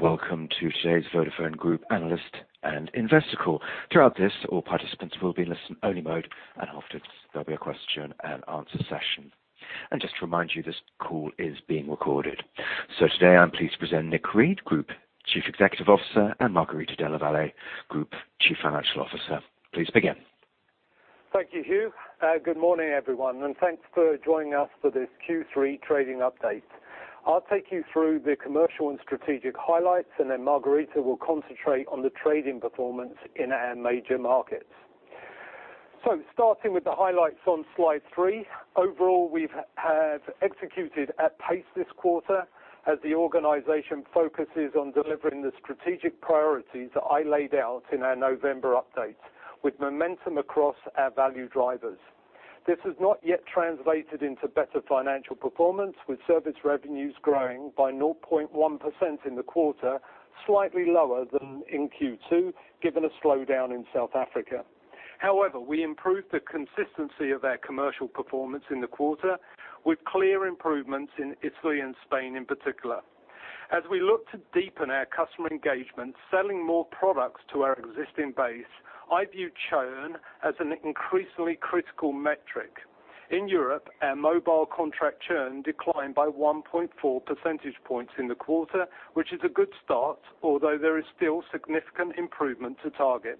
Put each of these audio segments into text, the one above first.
Welcome to today's Vodafone Group Analyst and Investor Call. Throughout this, all participants will be in listen-only mode, and afterwards, there will be a question and answer session. Just to remind you, this call is being recorded. Today, I am pleased to present Nick Read, Group Chief Executive Officer, and Margherita Della Valle, Group Chief Financial Officer. Please begin. Thank you, Hugh. Good morning, everyone, and thanks for joining us for this Q3 trading update. I will take you through the commercial and strategic highlights, and then Margherita will concentrate on the trading performance in our major markets. Starting with the highlights on slide three, overall, we have executed at pace this quarter as the organization focuses on delivering the strategic priorities that I laid out in our November update, with momentum across our value drivers. This has not yet translated into better financial performance, with service revenues growing by 0.1% in the quarter, slightly lower than in Q2, given a slowdown in South Africa. However, we improved the consistency of our commercial performance in the quarter, with clear improvements in Italy and Spain in particular. As we look to deepen our customer engagement, selling more products to our existing base, I view churn as an increasingly critical metric. In Europe, our mobile contract churn declined by 1.4 percentage points in the quarter, which is a good start, although there is still significant improvement to target.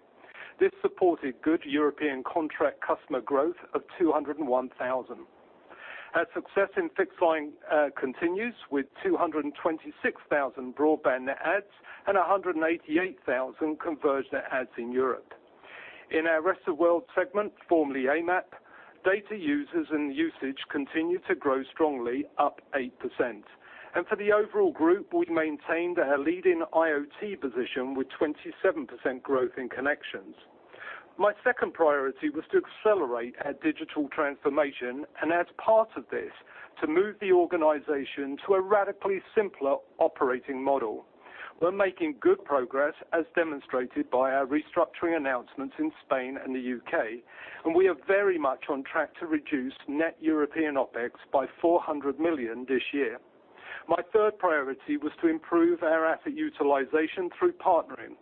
This supported good European contract customer growth of 201,000. Our success in fixed line continues with 226,000 broadband net adds and 188,000 converged net adds in Europe. In our Rest of World segment, formerly AMAP, data users and usage continue to grow strongly, up 8%. For the overall group, we maintained our leading IoT position with 27% growth in connections. My second priority was to accelerate our digital transformation, and as part of this, to move the organization to a radically simpler operating model. We are making good progress, as demonstrated by our restructuring announcements in Spain and the U.K., and we are very much on track to reduce net European OpEx by 400 million this year. My third priority was to improve our asset utilization through partnering.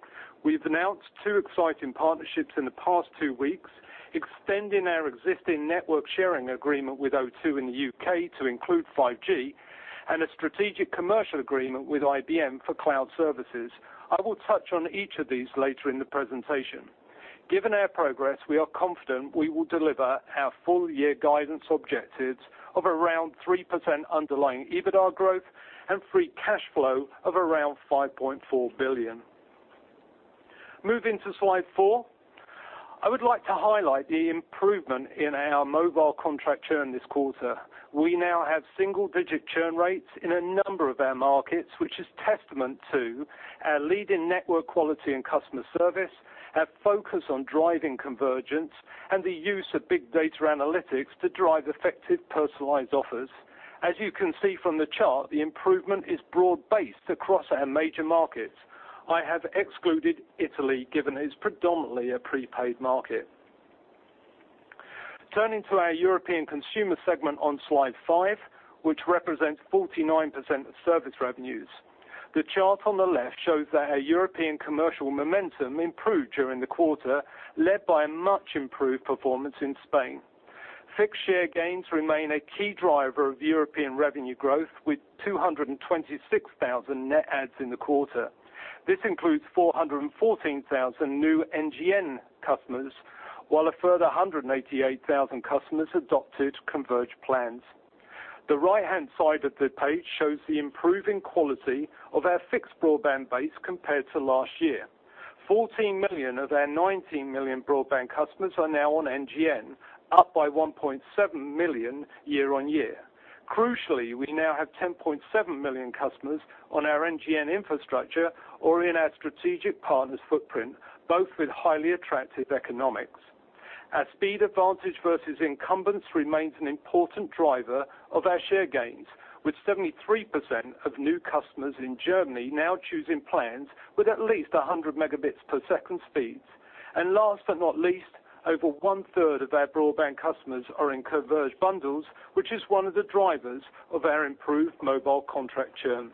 We have announced two exciting partnerships in the past two weeks, extending our existing network sharing agreement with O2 in the U.K. to include 5G, and a strategic commercial agreement with IBM for cloud services. I will touch on each of these later in the presentation. Given our progress, we are confident we will deliver our full year guidance objectives of around 3% underlying EBITDA growth and free cash flow of around 5.4 billion. Moving to slide four, I would like to highlight the improvement in our mobile contract churn this quarter. We now have single-digit churn rates in a number of our markets, which is testament to our leading network quality and customer service, our focus on driving convergence, and the use of big data analytics to drive effective personalized offers. As you can see from the chart, the improvement is broad-based across our major markets. I have excluded Italy, given it is predominantly a prepaid market. Turning to our European consumer segment on slide five, which represents 49% of service revenues. The chart on the left shows that our European commercial momentum improved during the quarter, led by a much improved performance in Spain. Fixed share gains remain a key driver of European revenue growth, with 226,000 net adds in the quarter. This includes 414,000 new NGN customers, while a further 188,000 customers adopted converged plans. The right-hand side of the page shows the improving quality of our fixed broadband base compared to last year. 14 million of our 19 million broadband customers are now on NGN, up by 1.7 million year-over-year. Crucially, we now have 10.7 million customers on our NGN infrastructure or in our strategic partners' footprint, both with highly attractive economics. Our speed advantage versus incumbents remains an important driver of our share gains, with 73% of new customers in Germany now choosing plans with at least 100 Mbps speeds. Last but not least, over 1/3 of our broadband customers are in converged bundles, which is one of the drivers of our improved mobile contract churn.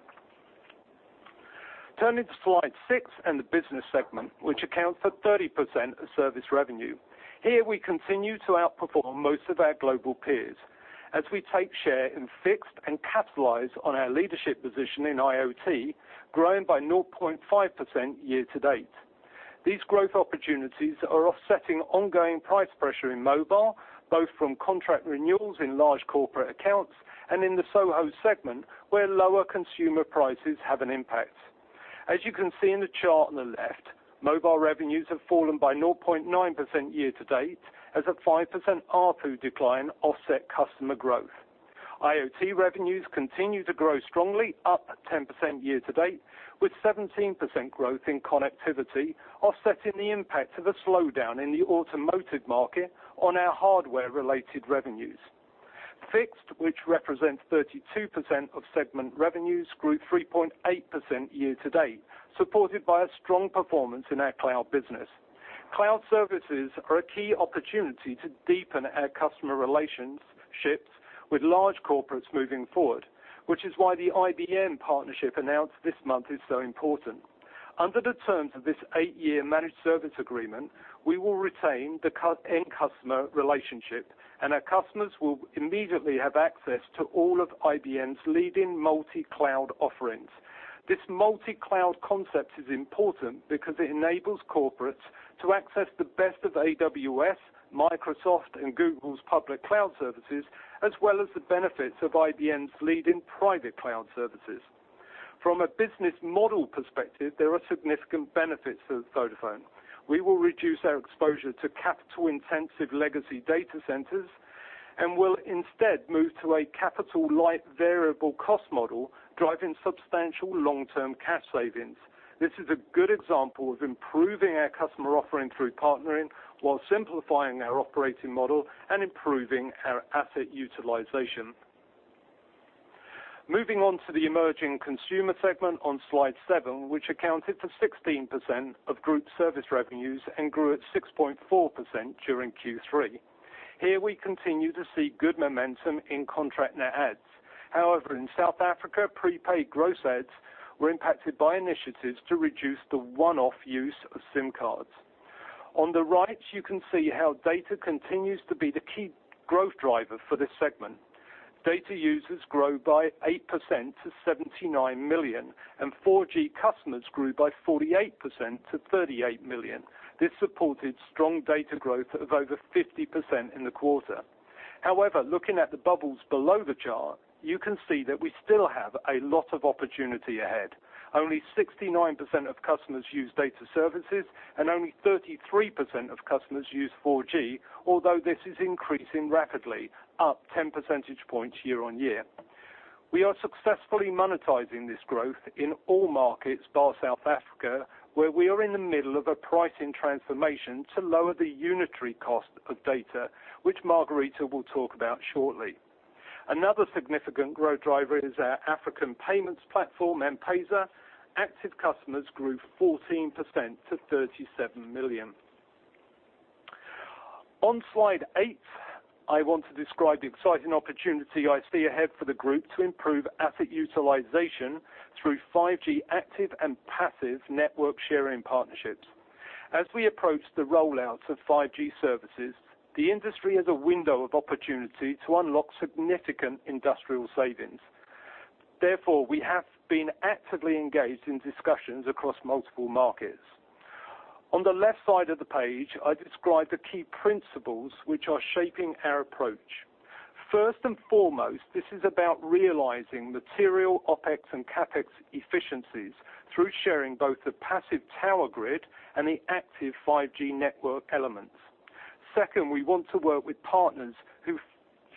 Turning to slide six and the business segment, which accounts for 30% of service revenue. Here, we continue to outperform most of our global peers as we take share in fixed and capitalize on our leadership position in IoT, growing by 0.5% year to date. These growth opportunities are offsetting ongoing price pressure in mobile, both from contract renewals in large corporate accounts and in the SOHO segment, where lower consumer prices have an impact. As you can see in the chart on the left, mobile revenues have fallen by 0.9% year to date as a 5% ARPU decline offset customer growth. IoT revenues continue to grow strongly, up 10% year to date, with 17% growth in connectivity offsetting the impact of a slowdown in the automotive market on our hardware-related revenues. Fixed, which represents 32% of segment revenues, grew 3.8% year to date, supported by a strong performance in our cloud business. Cloud services are a key opportunity to deepen our customer relationships with large corporates moving forward, which is why the IBM partnership announced this month is so important. Under the terms of this eight-year managed service agreement, we will retain the end customer relationship, and our customers will immediately have access to all of IBM's leading multi-cloud offerings. This multi-cloud concept is important because it enables corporates to access the best of AWS, Microsoft, and Google's public cloud services, as well as the benefits of IBM's lead in private cloud services. From a business model perspective, there are significant benefits to Vodafone. We will reduce our exposure to capital-intensive legacy data centers, and will instead move to a capital-light variable cost model, driving substantial long-term cash savings. This is a good example of improving our customer offering through partnering while simplifying our operating model and improving our asset utilization. Moving on to the emerging consumer segment on slide seven, which accounted for 16% of group service revenues and grew at 6.4% during Q3. Here, we continue to see good momentum in contract net adds. However, in South Africa, prepaid gross adds were impacted by initiatives to reduce the one-off use of SIM cards. On the right, you can see how data continues to be the key growth driver for this segment. Data users grow by 8% to 79 million, and 4G customers grew by 48% to 38 million. This supported strong data growth of over 50% in the quarter. However, looking at the bubbles below the chart, you can see that we still have a lot of opportunity ahead. Only 69% of customers use data services, and only 33% of customers use 4G, although this is increasing rapidly, up 10 percentage points year-on-year. We are successfully monetizing this growth in all markets bar South Africa, where we are in the middle of a pricing transformation to lower the unitary cost of data, which Margherita will talk about shortly. Another significant growth driver is our African payments platform, M-PESA. Active customers grew 14% to 37 million. On slide eight, I want to describe the exciting opportunity I see ahead for the group to improve asset utilization through 5G active and passive network sharing partnerships. As we approach the rollouts of 5G services, the industry has a window of opportunity to unlock significant industrial savings. We have been actively engaged in discussions across multiple markets. On the left side of the page, I describe the key principles which are shaping our approach. First and foremost, this is about realizing material OpEx and CapEx efficiencies through sharing both the passive tower grid and the active 5G network elements. Second, we want to work with partners who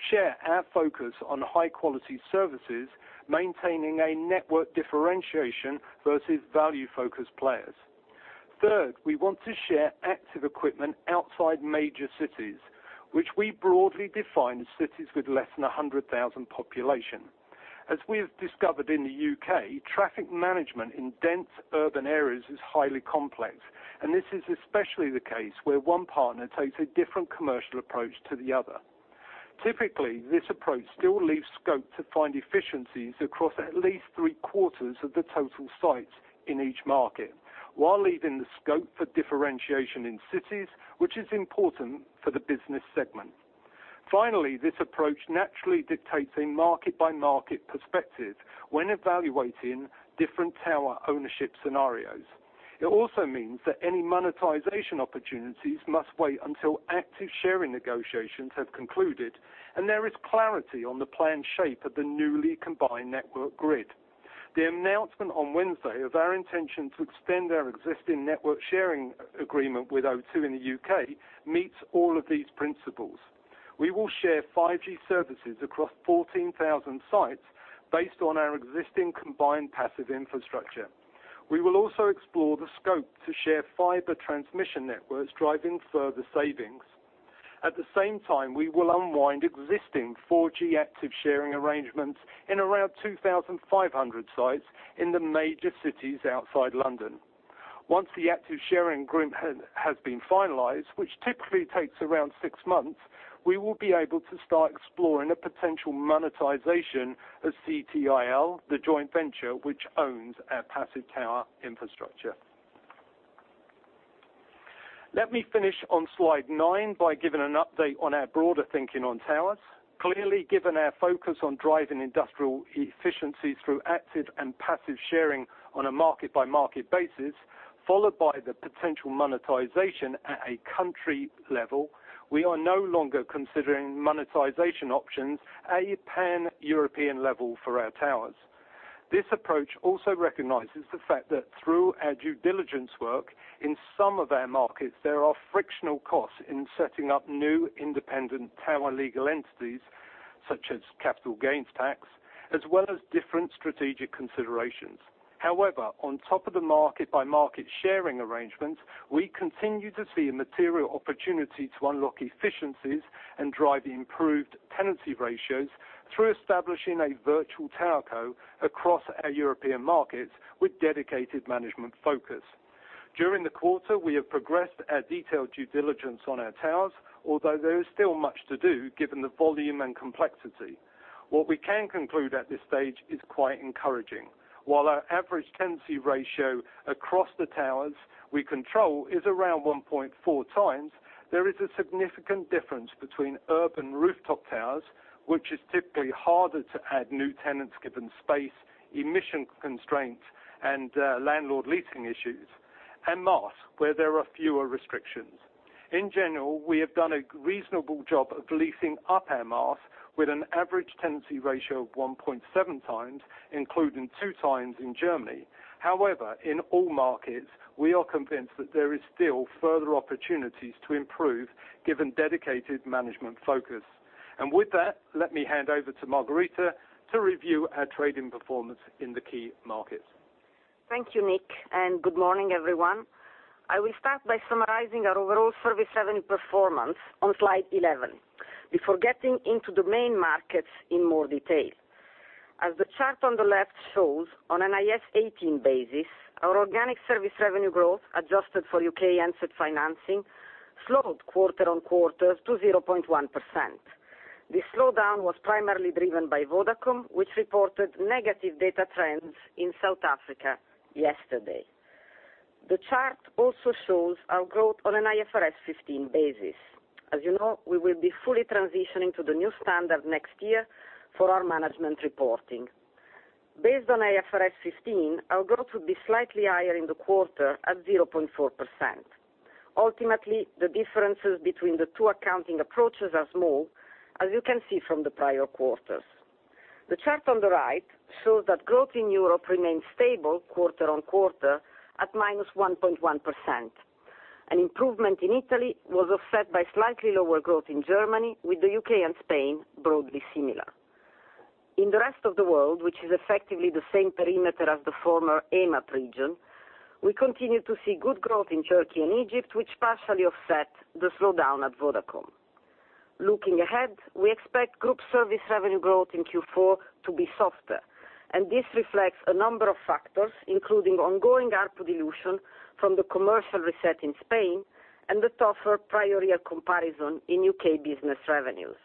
share our focus on high-quality services, maintaining a network differentiation versus value-focused players. Third, we want to share active equipment outside major cities, which we broadly define as cities with less than 100,000 population. As we have discovered in the U.K., traffic management in dense urban areas is highly complex, and this is especially the case where one partner takes a different commercial approach to the other. Typically, this approach still leaves scope to find efficiencies across at least three quarters of the total sites in each market while leaving the scope for differentiation in cities, which is important for the business segment. Finally, this approach naturally dictates a market-by-market perspective when evaluating different tower ownership scenarios. It also means that any monetization opportunities must wait until active sharing negotiations have concluded and there is clarity on the planned shape of the newly combined network grid. The announcement on Wednesday of our intention to extend our existing network sharing agreement with O2 in the U.K. meets all of these principles. We will share 5G services across 14,000 sites based on our existing combined passive infrastructure. We will also explore the scope to share fiber transmission networks, driving further savings. At the same time, we will unwind existing 4G active sharing arrangements in around 2,500 sites in the major cities outside London. Once the active sharing group has been finalized, which typically takes around six months, we will be able to start exploring a potential monetization of CTIL, the joint venture which owns our passive tower infrastructure. Let me finish on slide nine by giving an update on our broader thinking on towers. Clearly, given our focus on driving industrial efficiency through active and passive sharing on a market-by-market basis, followed by the potential monetization at a country level, we are no longer considering monetization options at a pan-European level for our towers. This approach also recognizes the fact that through our due diligence work, in some of our markets, there are frictional costs in setting up new independent tower legal entities, such as capital gains tax, as well as different strategic considerations. However, on top of the market-by-market sharing arrangements, we continue to see a material opportunity to unlock efficiencies and drive improved tenancy ratios through establishing a virtual tower co, across our European markets with dedicated management focus. During the quarter, we have progressed our detailed due diligence on our towers, although there is still much to do given the volume and complexity. What we can conclude at this stage is quite encouraging. While our average tenancy ratio across the towers we control is around 1.4x, there is a significant difference between urban rooftop towers, which is typically harder to add new tenants given space, emission constraints, and landlord leasing issues, and mast, where there are fewer restrictions. In general, we have done a reasonable job of leasing up our mast with an average tenancy ratio of 1.7x, including 2x in Germany. However, in all markets, we are convinced that there is still further opportunities to improve given dedicated management focus. And with that, let me hand over to Margherita to review our trading performance in the key markets. Thank you, Nick, and good morning, everyone. I will start by summarizing our overall service revenue performance on slide 11 before getting into the main markets in more detail. As the chart on the left shows, on an IAS 18 basis, our organic service revenue growth, adjusted for UK asset financing, slowed quarter on quarter to 0.1%. This slowdown was primarily driven by Vodafone, which reported negative data trends in South Africa yesterday. The chart also shows our growth on an IFRS 15 basis. As you know, we will be fully transitioning to the new standard next year for our management reporting. Based on IFRS 15, our growth would be slightly higher in the quarter at 0.4%. Ultimately, the differences between the two accounting approaches are small, as you can see from the prior quarters. The chart on the right shows that growth in Europe remains stable quarter-on-quarter at -1.1%. An improvement in Italy was offset by slightly lower growth in Germany, with the U.K. and Spain broadly similar. In the rest of the world, which is effectively the same perimeter as the former AMAP region, we continue to see good growth in Turkey and Egypt, which partially offset the slowdown at Vodafone. Looking ahead, we expect group service revenue growth in Q4 to be softer, this reflects a number of factors, including ongoing ARPU dilution from the commercial reset in Spain and the tougher prior year comparison in UK business revenues.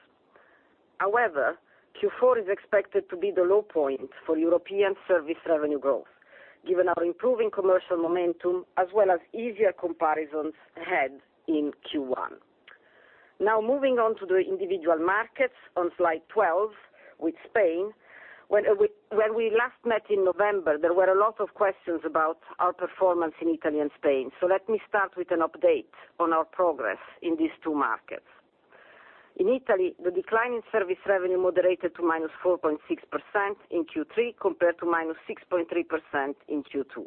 However, Q4 is expected to be the low point for European service revenue growth, given our improving commercial momentum as well as easier comparisons ahead in Q1. Now, moving on to the individual markets on Slide 12 with Spain. When we last met in November, there were a lot of questions about our performance in Italy and Spain. Let me start with an update on our progress in these two markets. In Italy, the decline in service revenue moderated to -4.6% in Q3 compared to -6.3% in Q2.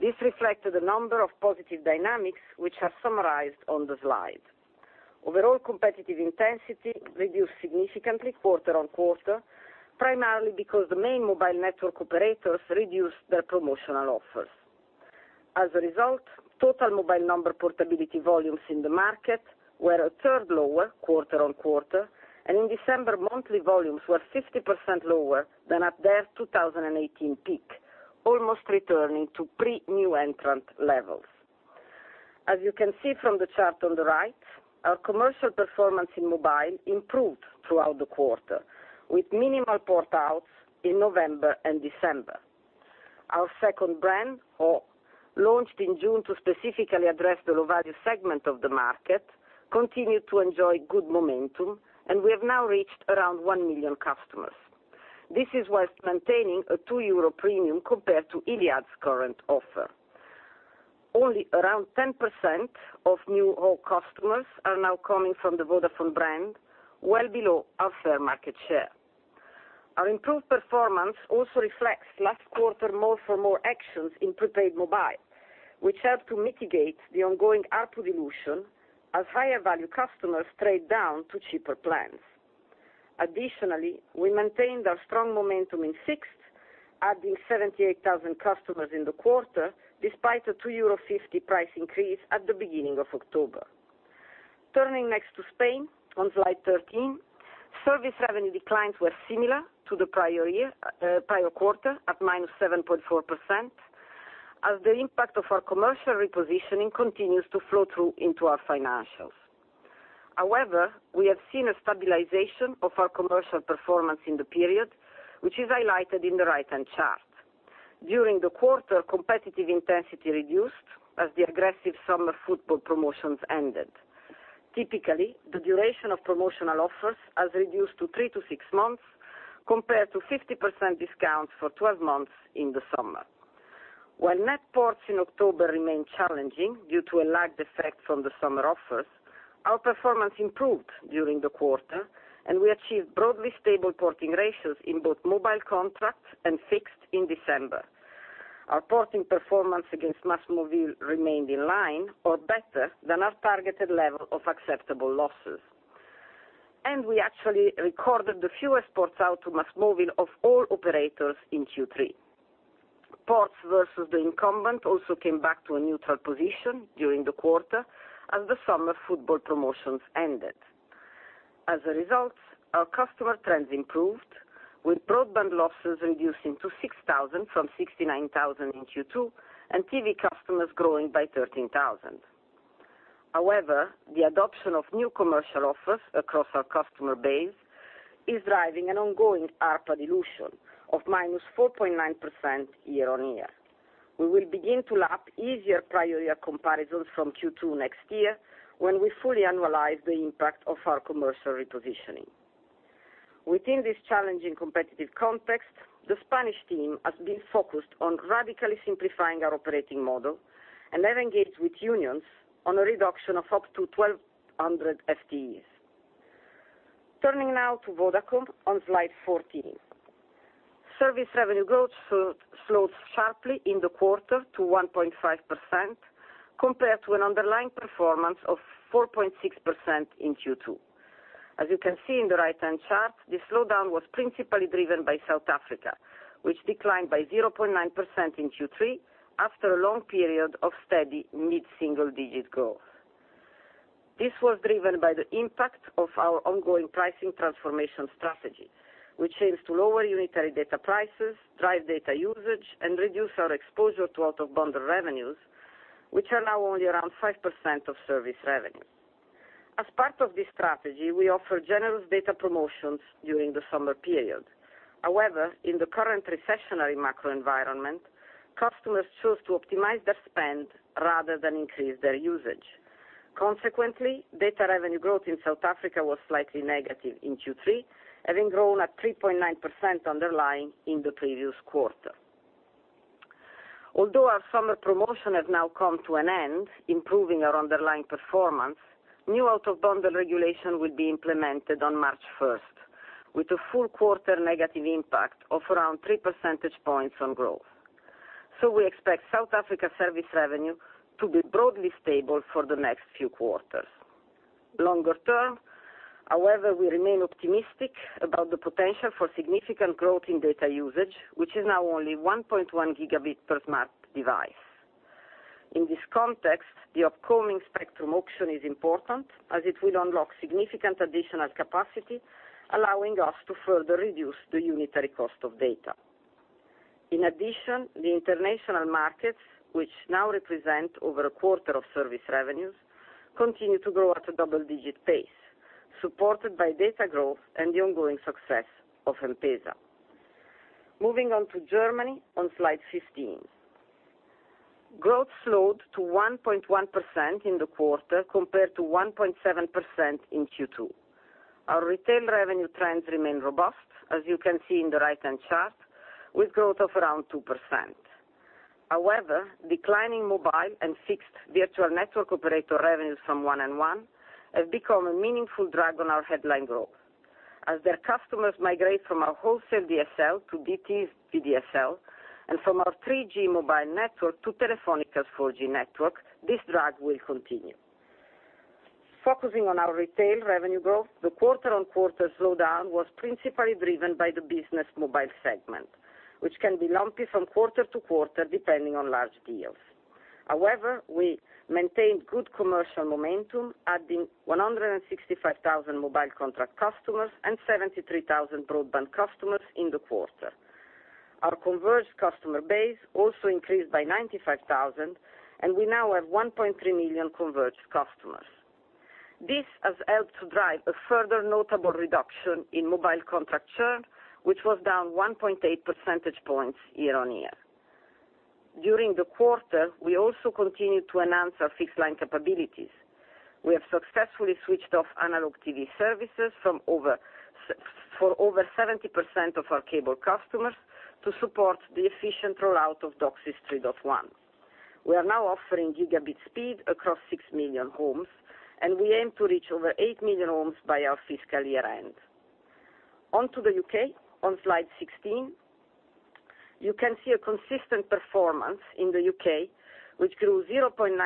This reflected a number of positive dynamics which are summarized on the slide. Overall competitive intensity reduced significantly quarter-on-quarter, primarily because the main mobile network operators reduced their promotional offers. As a result total mobile number portability volumes in the market were a third lower quarter-on-quarter, and in December, monthly volumes were 50% lower than at their 2018 peak, almost returning to pre-new entrant levels. As you can see from the chart on the right, our commercial performance in mobile improved throughout the quarter, with minimal port outs in November and December. Our second brand, ho. launched in June to specifically address the low-value segment of the market, continued to enjoy good momentum, and we have now reached around 1 million customers. This is whilst maintaining a 2 euro premium compared to Iliad's current offer. Only around 10% of new ho. customers are now coming from the Vodafone brand, well below our fair market share. Our improved performance also reflects last quarter more for more actions in prepaid mobile, which helped to mitigate the ongoing ARPU dilution as higher value customers trade down to cheaper plans. Additionally, we maintained our strong momentum in fixed, adding 78,000 customers in the quarter, despite a EUR 2.50 price increase at the beginning of October. Turning next to Spain on slide 13, service revenue declines were similar to the prior quarter at -7.4%, as the impact of our commercial repositioning continues to flow through into our financials. However, we have seen a stabilization of our commercial performance in the period, which is highlighted in the right-hand chart. During the quarter, competitive intensity reduced as the aggressive summer football promotions ended. Typically, the duration of promotional offers has reduced to 3-6 months, compared to 50% discount for 12 months in the summer. While net ports in October remain challenging due to a lagged effect from the summer offers, our performance improved during the quarter, and we achieved broadly stable porting ratios in both mobile contracts and fixed in December. Our porting performance against remained in line or better than our targeted level of acceptable losses. We actually recorded the fewest ports out to MásMóvil of all operators in Q3. Ports versus the incumbent also came back to a neutral position during the quarter as the summer football promotions ended. As a result, our customer trends improved, with broadband losses reducing to 6,000 from 69,000 in Q2, and TV customers growing by 13,000. However, the adoption of new commercial offers across our customer base is driving an ongoing ARPU dilution of -4.9% year-on-year. We will begin to lap easier prior year comparisons from Q2 next year when we fully annualize the impact of our commercial repositioning. Within this challenging competitive context, the Spanish team has been focused on radically simplifying our operating model and have engaged with unions on a reduction of up to 1,200 FTEs. Turning now to Vodacom on slide 14. Service revenue growth slowed sharply in the quarter to 1.5%, compared to an underlying performance of 4.6% in Q2. You can see in the right-hand chart, the slowdown was principally driven by South Africa, which declined by 0.9% in Q3 after a long period of steady mid-single digit growth. This was driven by the impact of our ongoing pricing transformation strategy, which aims to lower unitary data prices, drive data usage, and reduce our exposure to out-of-bundle revenues, which are now only around 5% of service revenue. As part of this strategy, we offer generous data promotions during the summer period. However in the current recessionary macro environment, customers choose to optimize their spend rather than increase their usage. Consequently data revenue growth in South Africa was slightly negative in Q3, having grown at 3.9% underlying in the previous quarter. Although our summer promotion has now come to an end, improving our underlying performance, new out-of-bundle regulation will be implemented on March 1st with a full quarter negative impact of around three percentage points on growth. We expect South Africa service revenue to be broadly stable for the next few quarters. Longer term, however, we remain optimistic about the potential for significant growth in data usage, which is now only 1.1 Gb per smart device. In this context, the upcoming spectrum auction is important as it will unlock significant additional capacity, allowing us to further reduce the unitary cost of data. In addition the international markets, which now represent over a quarter of service revenues, continue to grow at a double-digit pace, supported by data growth and the ongoing success of M-PESA. Moving on to Germany on slide 15. Growth slowed to 1.1% in the quarter, compared to 1.7% in Q2. Our retail revenue trends remain robust, as you can see in the right-hand chart, with growth of around 2%. However declining mobile and fixed virtual network operator revenues from 1&1 have become a meaningful drag on our headline growth. Their customers migrate from our wholesale DSL to DT's VDSL and from our 3G mobile network to Telefónica's 4G network, this drag will continue. Focusing on our retail revenue growth, the quarter-on-quarter slowdown was principally driven by the business mobile segment, which can be lumpy from quarter to quarter, depending on large deals. However we maintained good commercial momentum, adding 165,000 mobile contract customers and 73,000 broadband customers in the quarter. Our converged customer base also increased by 95,000, and we now have 1.3 million converged customers. This has helped to drive a further notable reduction in mobile contract churn, which was down 1.8 percentage points year-on-year. During the quarter, we also continued to enhance our fixed line capabilities. We have successfully switched off analog TV services for over 70% of our cable customers to support the efficient rollout of DOCSIS 3.1. We are now offering gigabit speed across six million homes, and we aim to reach over eight million homes by our fiscal year-end. On to the U.K. on slide 16. You can see a consistent performance in the U.K., which grew 0.9%,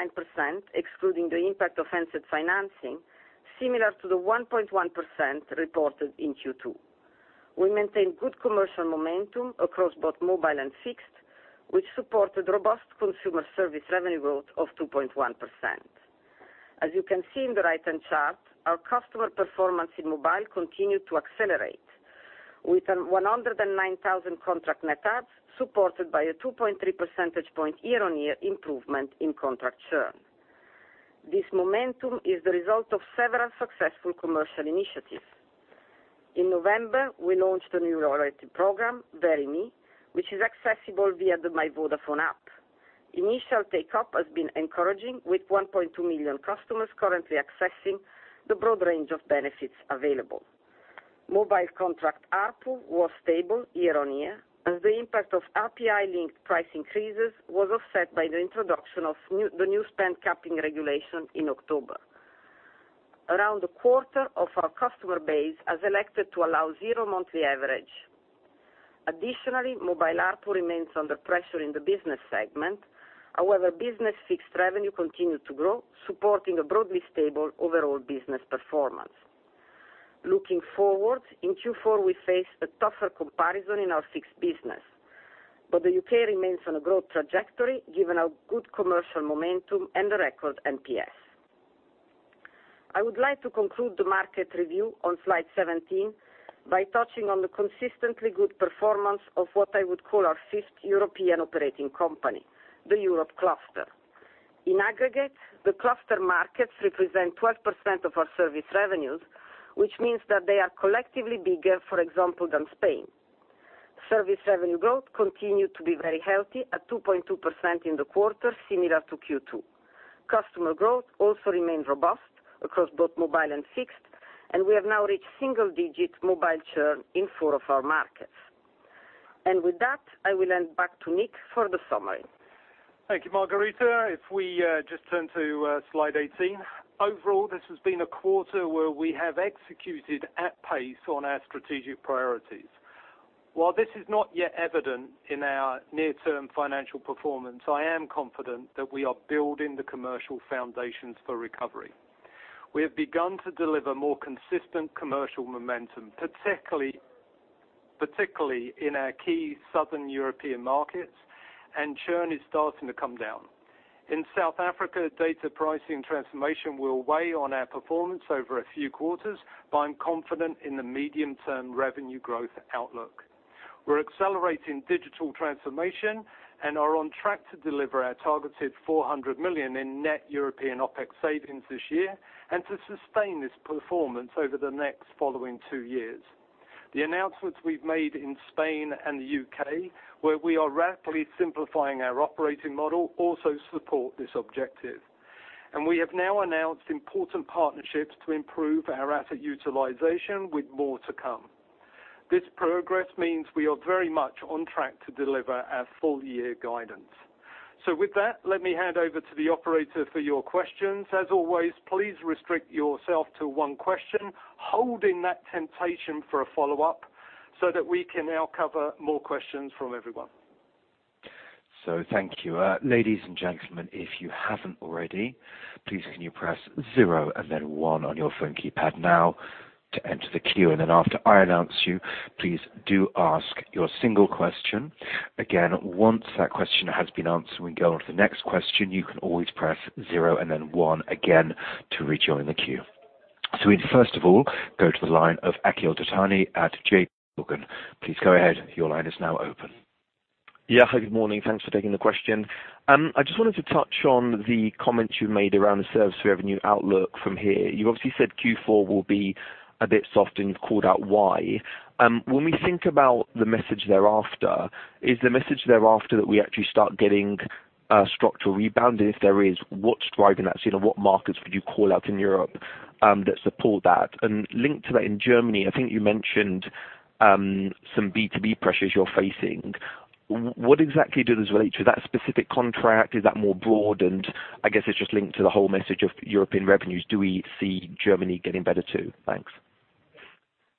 excluding the impact of handset financing, similar to the 1.1% reported in Q2. We maintained good commercial momentum across both mobile and fixed, which supported robust consumer service revenue growth of 2.1%. As you can see in the right-hand chart, our customer performance in mobile continued to accelerate with 109,000 contract net adds, supported by a 2.3 percentage point year-on-year improvement in contract churn. This momentum is the result of several successful commercial initiatives. In November, we launched a new loyalty program, VeryMe, which is accessible via the My Vodafone app. Initial take-up has been encouraging, with 1.2 million customers currently accessing the broad range of benefits available. Mobile contract ARPU was stable year-on-year, and the impact of RPI-linked price increases was offset by the introduction of the new spend capping regulation in October. Around a quarter of our customer base has elected to allow zero monthly average. Additionally, mobile ARPU remains under pressure in the business segment. Business fixed revenue continued to grow, supporting a broadly stable overall business performance. Looking forward, in Q4, we face a tougher comparison in our fixed business. But the U.K. remains on a growth trajectory given our good commercial momentum and the record NPS. I would like to conclude the market review on slide 17 by touching on the consistently good performance of what I would call our fifth European operating company, the Europe cluster. In aggregate, the cluster markets represent 12% of our service revenues, which means that they are collectively bigger, for example, than Spain. Service revenue growth continued to be very healthy at 2.2% in the quarter, similar to Q2. Customer growth also remains robust across both mobile and fixed, and we have now reached single-digit mobile churn in four of our markets. And with that, I will hand back to Nick for the summary. Thank you, Margherita. If we just turn to slide 18. Overall, this has been a quarter where we have executed at pace on our strategic priorities. While this is not yet evident in our near-term financial performance, I am confident that we are building the commercial foundations for recovery. We have begun to deliver more consistent commercial momentum, particularly in our key Southern European markets, and churn is starting to come down. In South Africa, data pricing transformation will weigh on our performance over a few quarters, but I'm confident in the medium-term revenue growth outlook. We're accelerating digital transformation and are on track to deliver our targeted 400 million in net European OpEx savings this year and to sustain this performance over the next following two years. The announcements we've made in Spain and the U.K., where we are rapidly simplifying our operating model, also support this objective. And we have now announced important partnerships to improve our asset utilization with more to come. This progress means we are very much on track to deliver our full year guidance. With that, let me hand over to the operator for your questions. As always, please restrict yourself to one question, holding that temptation for a follow-up so that we can now cover more questions from everyone. Thank you. Ladies and gentlemen, if you haven't already, please can you press zero and then one on your phone keypad now to enter the queue. Then after I announce you, please do ask your single question. Again, once that question has been answered, we can go on to the next question. You can always press zero and then one again to rejoin the queue. We'd first of all go to the line of Akhil Dattani at JPMorgan. Please go ahead. Your line is now open. Hi, good morning. Thanks for taking the question. I just wanted to touch on the comments you made around the service revenue outlook from here. You obviously said Q4 will be a bit soft and you've called out why. When we think about the message thereafter, is the message thereafter that we actually start getting structural rebound? If there is, what's driving that scene, and what markets would you call out in Europe that support that? Linked to that in Germany, I think you mentioned some B2B pressures you're facing. What exactly does relate to that specific contract? Is that more broad? I guess it's just linked to the whole message of European revenues. Do we see Germany getting better, too? Thanks.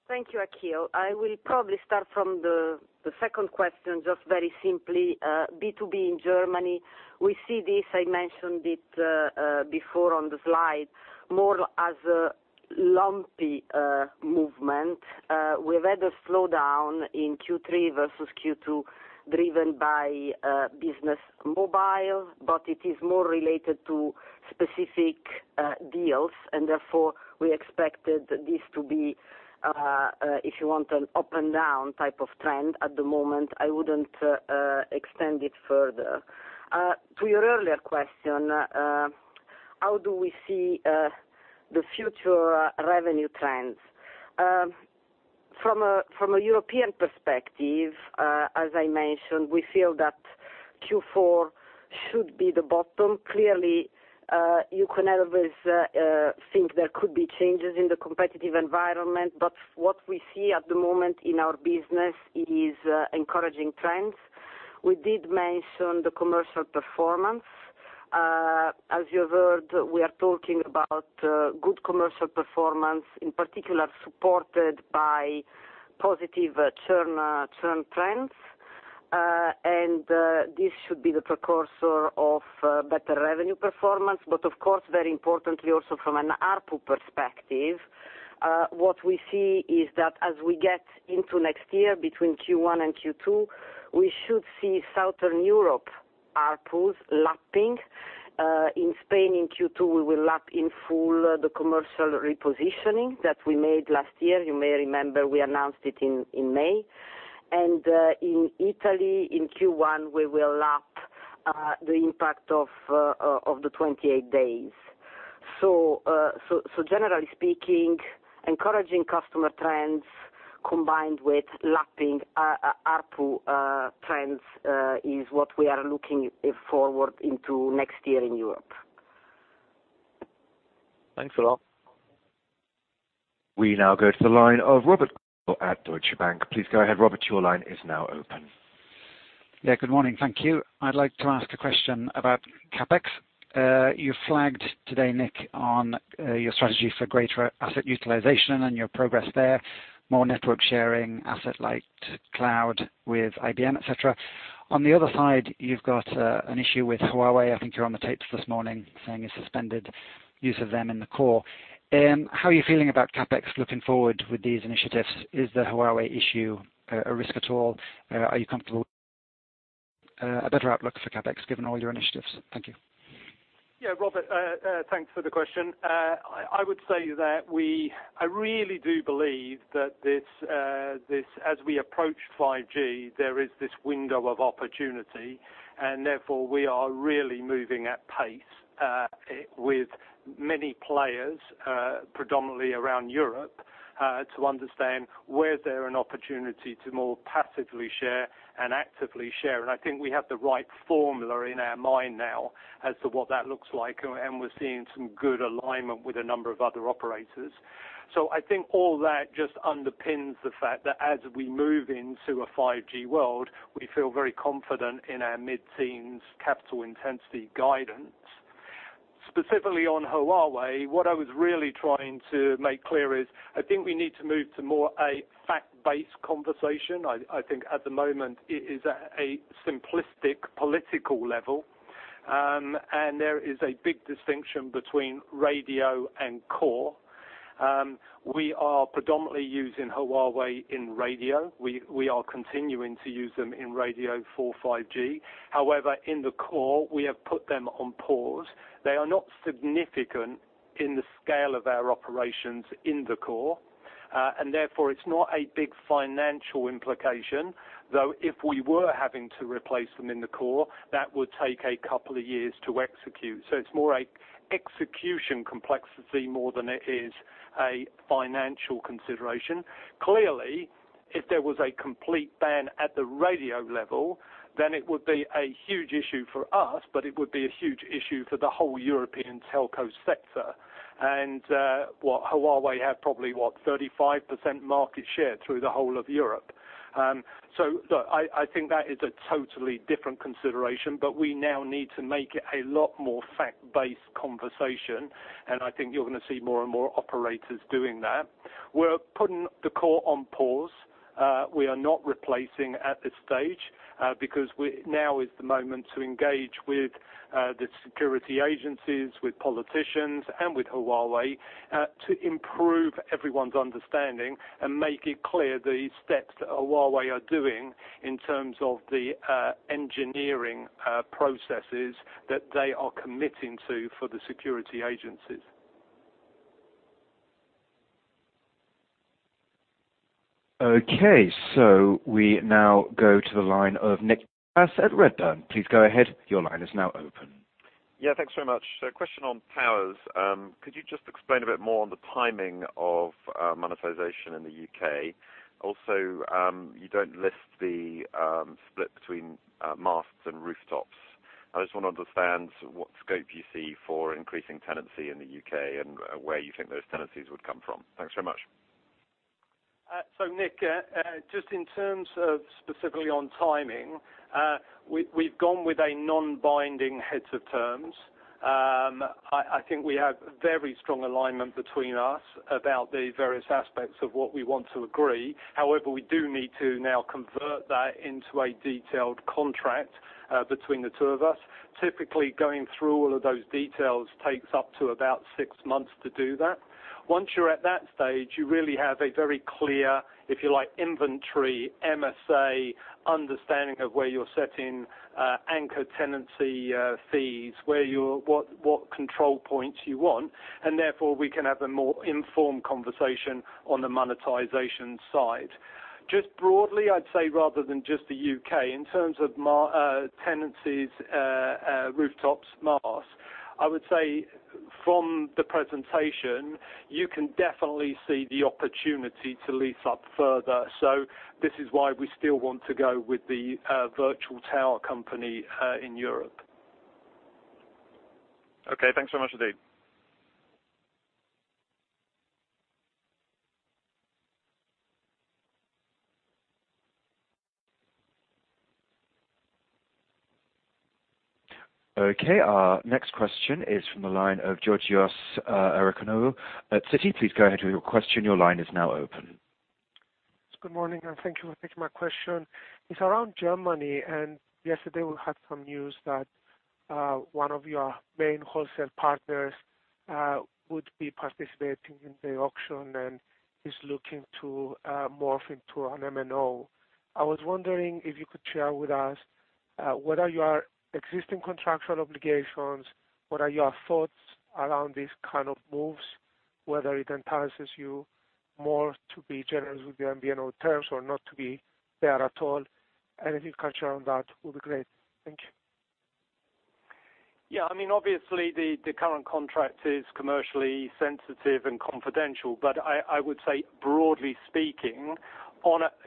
Thank you, Akhil. I will probably start from the second question, just very simply, B2B in Germany. We see this, I mentioned it before on the slide, more as a lumpy movement. We've had a slowdown in Q3 versus Q2 driven by business mobile, but it is more related to specific deals, and therefore, we expected this to be, if you want, an up and down type of trend at the moment. I wouldn't extend it further. To your earlier question, how do we see the future revenue trends? From a European perspective, as I mentioned, we feel that Q4 should be the bottom. Clearly, you can always think there could be changes in the competitive environment, but what we see at the moment in our business is encouraging trends. We did mention the commercial performance. As you heard, we are talking about good commercial performance, in particular supported by positive churn trends. This should be the precursor of better revenue performance. But of course, very importantly also from an ARPU perspective, what we see is that as we get into next year between Q1 and Q2, we should see Southern Europe ARPUs lapping. In Spain in Q2, we will lap in full the commercial repositioning that we made last year. You may remember we announced it in May. And in Italy in Q1, we will lap the impact of the 28 days. Generally speaking, encouraging customer trends combined with lapping ARPU trends is what we are looking forward into next year in Europe. Thanks a lot. We now go to the line of Robert at Deutsche Bank. Please go ahead, Robert. Your line is now open. Yeah, good morning. Thank you. I'd like to ask a question about CapEx. You flagged today, Nick, on your strategy for greater asset utilization and your progress there, more network sharing asset like cloud with IBM, et cetera. On the other side, you've got an issue with Huawei. I think you're on the tapes this morning saying it's suspended Use of them in the core. How are you feeling about CapEx looking forward with these initiatives? Is the Huawei issue a risk at all? Are you comfortable with a better outlook for CapEx, given all your initiatives? Thank you. Yeah, Robert, thanks for the question. I would say that I really do believe that as we approach 5G, there is this window of opportunity. We are really moving at pace with many players, predominantly around Europe, to understand where there's an opportunity to more passively share and actively share. I think we have the right formula in our mind now as to what that looks like, and we're seeing some good alignment with a number of other operators. I think all that just underpins the fact that as we move into a 5G world, we feel very confident in our mid-teens capital intensity guidance. Specifically on Huawei, what I was really trying to make clear is, I think we need to move to more a fact-based conversation. I think at the moment it is at a simplistic political level. There is a big distinction between radio and core. We are predominantly using Huawei in radio. We are continuing to use them in radio for 5G. However, in the core, we have put them on pause. They are not significant in the scale of our operations in the core. Therefore, it's not a big financial implication, though if we were having to replace them in the core, that would take a couple of years to execute. It's more a execution complexity more than it is a financial consideration. Clearly, if there was a complete ban at the radio level, then it would be a huge issue for us, but it would be a huge issue for the whole European telco sector. And well, Huawei have probably, what, 35% market share through the whole of Europe. Look, I think that is a totally different consideration, but we now need to make it a lot more fact-based conversation, and I think you're going to see more and more operators doing that. We're putting the core on pause. We are not replacing at this stage, because now is the moment to engage with the security agencies, with politicians, and with Huawei, to improve everyone's understanding and make it clear the steps that Huawei are doing in terms of the engineering processes that they are committing to for the security agencies. Okay, we now go to the line of Nick Delfas at Redburn. Please go ahead. Your line is now open. Yeah, thanks very much. Question on towers. Could you just explain a bit more on the timing of monetization in the U.K.? Also, you don't list the split between masts and rooftops. I just want to understand what scope you see for increasing tenancy in the U.K. and where you think those tenancies would come from. Thanks very much. Nick, just in terms of specifically on timing, we've gone with a non-binding heads of terms. I think we have very strong alignment between us about the various aspects of what we want to agree. However, we do need to now convert that into a detailed contract between the two of us. Typically, going through all of those details takes up to about six months to do that. Once you're at that stage, you really have a very clear, if you like, inventory, MSA understanding of where you're setting anchor tenancy fees, what control points you want, and therefore we can have a more informed conversation on the monetization side. Just broadly, I'd say rather than just the U.K., in terms of tenancies, rooftops, masts, I would say from the presentation, you can definitely see the opportunity to lease up further. This is why we still want to go with the virtual tower company in Europe. Okay, thanks so much, Nick. Our next question is from the line of Georgios Ierodiaconou at Citi. Please go ahead with your question. Your line is now open. Good morning, thank you for taking my question. It's around Germany, yesterday we had some news that one of your main wholesale partners would be participating in the auction and is looking to morph into an MNO. I was wondering if you could share with us what are your existing contractual obligations, what are your thoughts around these kind of moves, whether it entices you more to be generous with your MNO terms or not to be there at all? Anything you can share on that will be great. Thank you. Obviously, the current contract is commercially sensitive and confidential, I would say broadly speaking,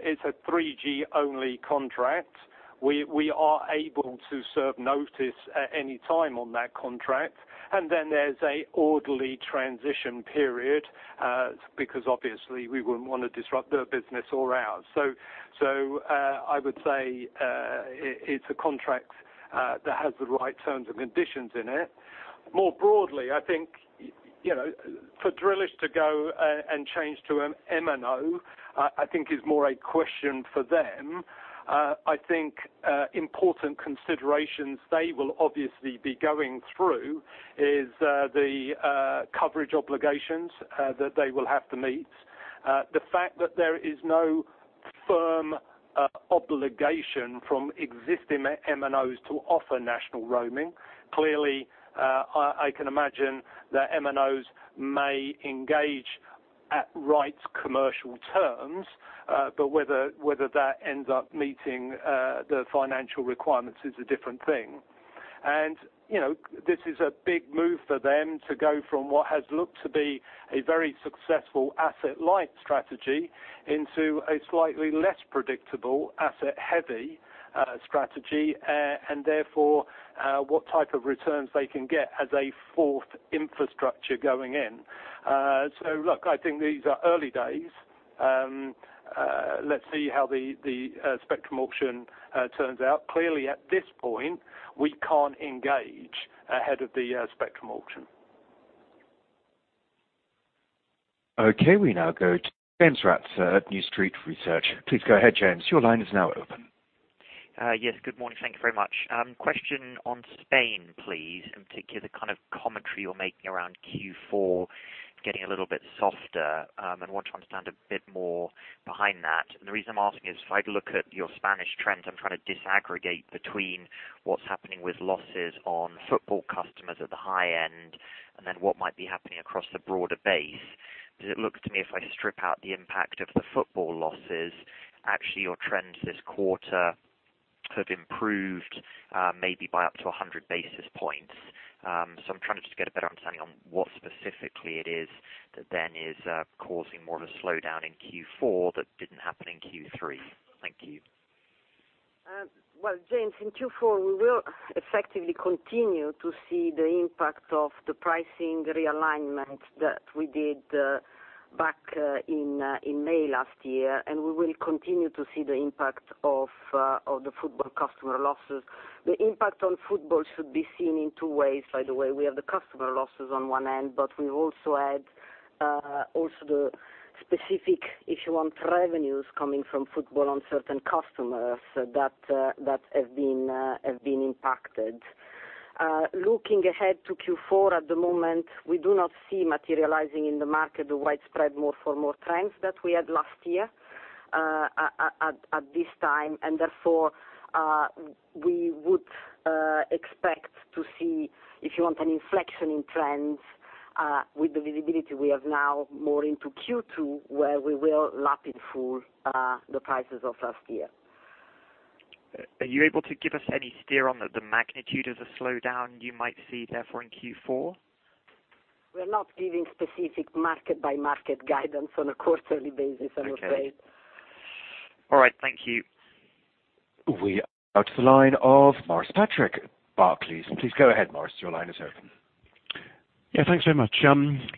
it's a 3G-only contract. We are able to serve notice at any time on that contract. Then there's an orderly transition period, because obviously we wouldn't want to disrupt their business or ours. I would say it's a contract that has the right terms and conditions in it. More broadly, I think, for Drillisch to go and change to an MNO, I think is more a question for them. I think important considerations they will obviously be going through is the coverage obligations that they will have to meet. The fact that there is no firm obligation from existing MNOs to offer national roaming. Clearly, I can imagine that MNOs may engage at rights commercial terms, but whether that ends up meeting the financial requirements is a different thing. And this is a big move for them to go from what has looked to be a very successful asset-light strategy into a slightly less predictable asset-heavy strategy, and therefore, what type of returns they can get as a fourth infrastructure going in. Look, I think these are early days. Let's see how the spectrum auction turns out. Clearly, at this point, we can't engage ahead of the spectrum auction. We now go to James Ratzer at New Street Research. Please go ahead, James. Your line is now open. Good morning. Thank you very much. Question on Spain, please, in particular, the kind of commentary you're making around Q4 getting a little bit softer, and want to understand a bit more behind that. The reason I'm asking is if I look at your Spanish trends, I'm trying to disaggregate between what's happening with losses on football customers at the high end, and then what might be happening across the broader base. It looks to me, if I strip out the impact of the football losses, actually your trends this quarter have improved, maybe by up to 100 basis points. I'm trying to just get a better understanding on what specifically it is that then is causing more of a slowdown in Q4 that didn't happen in Q3. Thank you. James, in Q4, we will effectively continue to see the impact of the pricing realignment that we did back in May last year, and we will continue to see the impact of the football customer losses. The impact on football should be seen in two ways, by the way. We have the customer losses on one end, but we also had the specific issue on revenues coming from football on certain customers that have been impacted. Looking ahead to Q4, at the moment, we do not see materializing in the market the widespread more for more trends that we had last year at this time. And therefore, we would expect to see, if you want an inflection in trends with the visibility we have now more into Q2, where we will lap in full the prices of last year. Are you able to give us any steer on the magnitude of a slowdown you might see therefore in Q4? We're not giving specific market-by-market guidance on a quarterly basis. I'm afraid. Okay. All right, thank you. We now go to the line of Maurice Patrick, Barclays. Please go ahead, Maurice, your line is open. Thanks very much.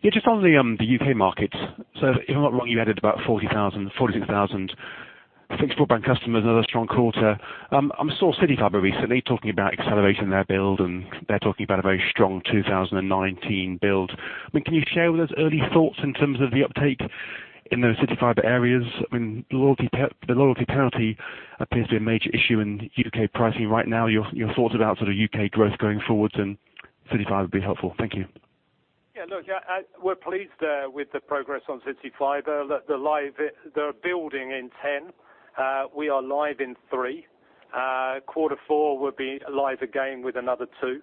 Just on the UK market. If I am not wrong, you added about 40,000, 46,000 fixed broadband customers, another strong quarter. I saw recently talking about accelerating their build, and they are talking about a very strong 2019 build. Can you share with us early thoughts in terms of the uptake in those CityFibre areas? The loyalty penalty appears to be a major issue in UK pricing right now. Your thoughts about UK growth going forwards and CityFibre would be helpful. Thank you. Look, we're pleased with the progress on CityFibre. They are building in 10. We are live in three. Quarter four, we'll be live again with another two.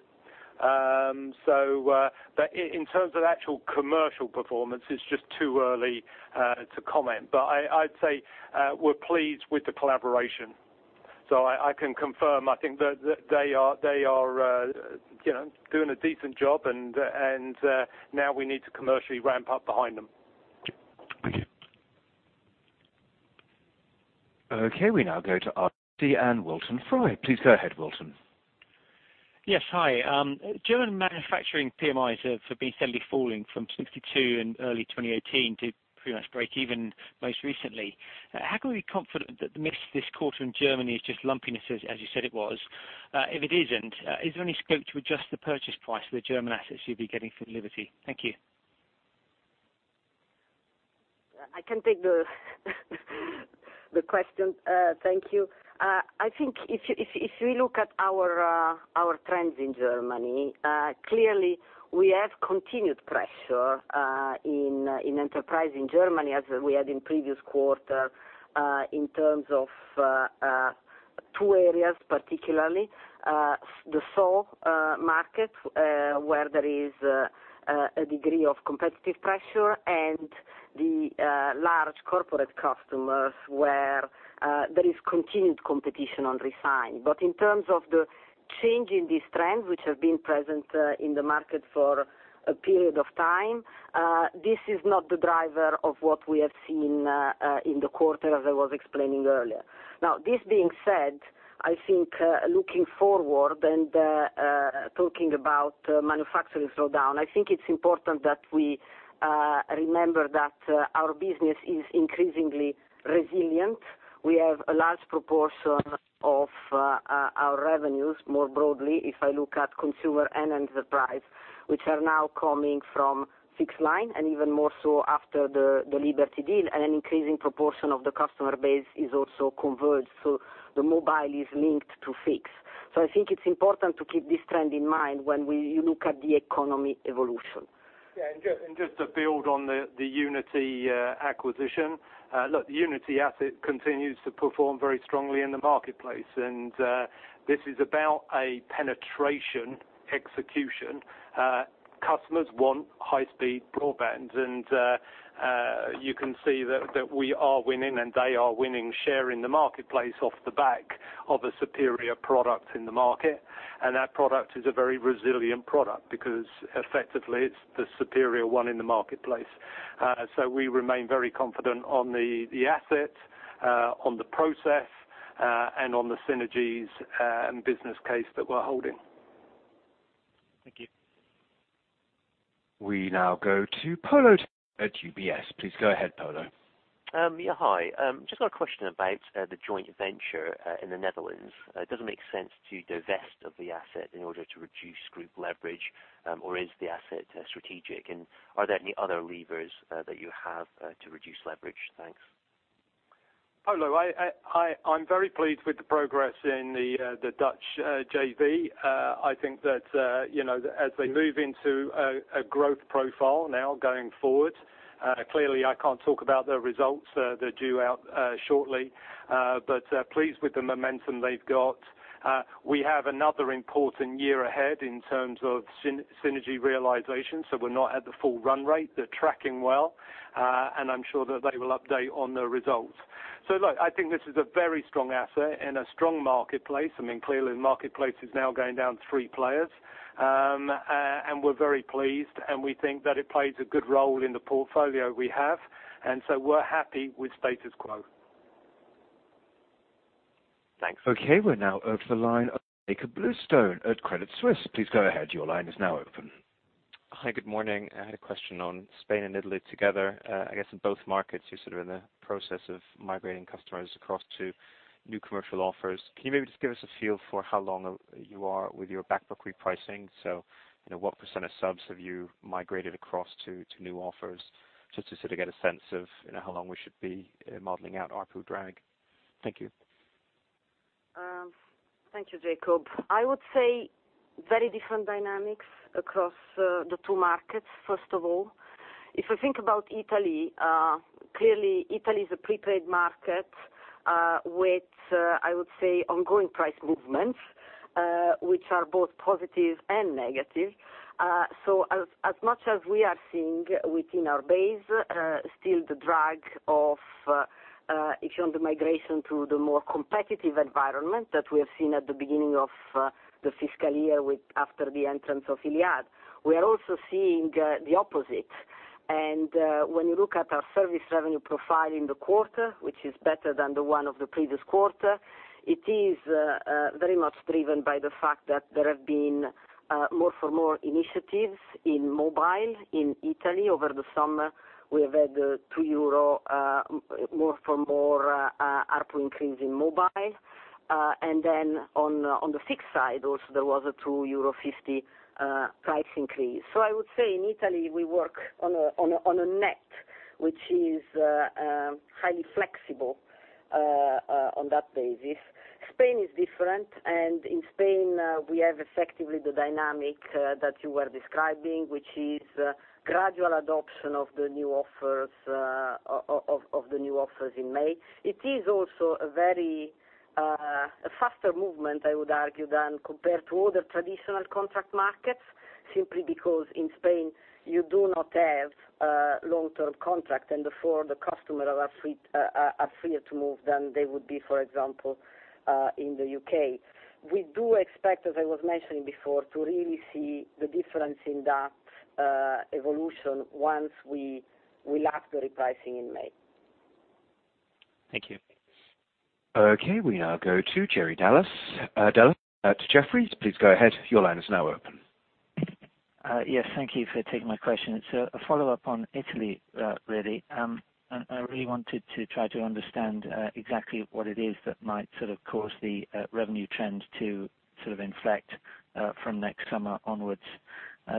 In terms of actual commercial performance, it's just too early to comment. I'd say we're pleased with the collaboration. I can confirm, I think that they are doing a decent job, and now we need to commercially ramp up behind them. Thank you. We now go to RBC, Wilton Fry. Please go ahead, Wilton. Yes. Hi. German manufacturing PMIs have been steadily falling from 62 in early 2018 to pretty much break even most recently. How can we be confident that the miss this quarter in Germany is just lumpiness as you said it was? If it isn't, is there any scope to adjust the purchase price for the German assets you'll be getting from Liberty? Thank you. I can take the question. Thank you. I think if we look at our trends in Germany, clearly we have continued pressure in enterprise in Germany as we had in previous quarter, in terms of two areas particularly. The SOHO market, where there is a degree of competitive pressure and the large corporate customers where there is continued competition on re-sign. But in terms of the change in these trends, which have been present in the market for a period of time, this is not the driver of what we have seen in the quarter as I was explaining earlier. Now this being said, I think looking forward and talking about manufacturing slowdown, I think it's important that we remember that our business is increasingly resilient. We have a large proportion of our revenues more broadly if I look at consumer and enterprise, which are now coming from fixed line and even more so after the Liberty deal and an increasing proportion of the customer base is also converged, so the mobile is linked to fixed. I think it's important to keep this trend in mind when you look at the economy evolution. Yeah. Just to build on the Unity acquisition. Look, the Unity asset continues to perform very strongly in the marketplace, and this is about a penetration execution. Customers want high-speed broadband, and you can see that we are winning and they are winning share in the marketplace off the back of a superior product in the market. That product is a very resilient product, because effectively it's the superior one in the marketplace. We remain very confident on the asset, on the process, and on the synergies and business case that we're holding. Thank you. We now go to Polo at UBS. Please go ahead, Polo. Yeah. Hi. Just got a question about the joint venture in the Netherlands. Does it make sense to divest of the asset in order to reduce group leverage? Or is the asset strategic? Are there any other levers that you have to reduce leverage? Thanks. Polo, I'm very pleased with the progress in the Dutch JV. I think that as they move into a growth profile now going forward, clearly I can't talk about the results they're due out shortly. Pleased with the momentum they've got. We have another important year ahead in terms of synergy realization, so we're not at the full run rate. They're tracking well, and I'm sure that they will update on the results. Look, I think this is a very strong asset in a strong marketplace. Clearly, the marketplace is now going down to three players. We're very pleased, we think that it plays a good role in the portfolio we have, we're happy with status quo. Thanks. Okay. We're now over to the line of Jakob Bluestone at Credit Suisse. Please go ahead. Your line is now open. Hi. Good morning. I had a question on Spain and Italy together. I guess in both markets you're in the process of migrating customers across to new commercial offers. Can you maybe just give us a feel for how long you are with your back book repricing? What percent of subs have you migrated across to new offers, just to get a sense of how long we should be modeling out ARPU drag. Thank you. Thank you, Jakob. I would say very different dynamics across the two markets, first of all. If we think about Italy, clearly Italy is a prepaid market with, I would say, ongoing price movements, which are both positive and negative. As much as we are seeing within our base, still the drag of if you're on the migration to the more competitive environment that we have seen at the beginning of the fiscal year after the entrance of Iliad. We are also seeing the opposite. When you look at our service revenue profile in the quarter, which is better than the one of the previous quarter, it is very much driven by the fact that there have been more for more initiatives in mobile in Italy. Over the summer we have had 2 euro more for more ARPU increase in mobile. And then on the fixed side also there was a 2.50 euro price increase. I would say in Italy we work on a net, which is highly flexible on that basis. Spain is different. In Spain, we have effectively the dynamic that you were describing, which is gradual adoption of the new offers in May. It is also a faster movement, I would argue, than compared to other traditional contract markets, simply because in Spain you do not have a long-term contract and therefore the customer are freer to move than they would be, for example, in the U.K. We do expect, as I was mentioning before, to really see the difference in that evolution once we lap the repricing in May. Thank you. Okay. We now go to Jerry Dellis at Jefferies. Please go ahead. Your line is now open. Yes. Thank you for taking my question. It's a follow-up on Italy, really. I really wanted to try to understand exactly what it is that might cause the revenue trend to inflect from next summer onwards.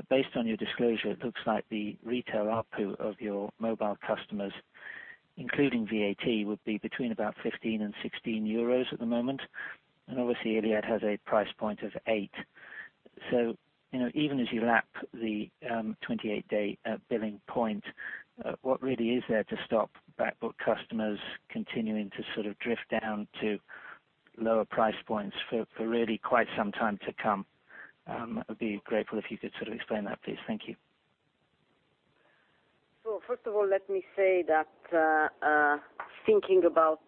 Based on your disclosure, it looks like the retail ARPU of your mobile customers, including VAT, would be between about 15 and 16 euros at the moment. Obviously Iliad has a price point of 8. Even as you lap the 28-day billing point, what really is there to stop back book customers continuing to drift down to lower price points for really quite some time to come? I would be grateful if you could explain that, please. Thank you. First of all, let me say that thinking about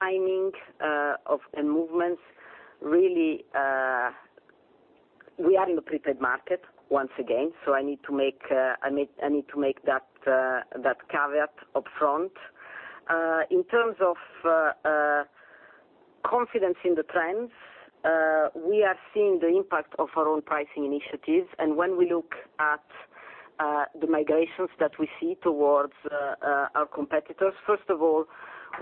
timing of the movements, really we are in the prepaid market once again. I need to make that caveat up front. In terms of confidence in the trends, we are seeing the impact of our own pricing initiatives. When we look at the migrations that we see towards our competitors, first of all,